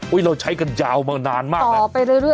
โอ้ยเราใช้กันยาวมานานมาก